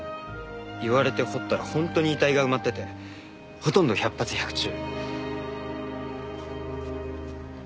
言われて掘ったら本当に遺体が埋まっててほとんど百発百中。